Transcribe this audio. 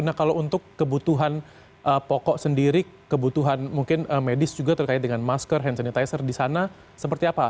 nah kalau untuk kebutuhan pokok sendiri kebutuhan mungkin medis juga terkait dengan masker hand sanitizer di sana seperti apa